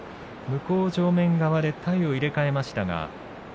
向正面側で体を入れ替えましたが。